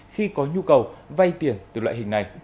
khi có nhu cầu vay tiền từ loại hình này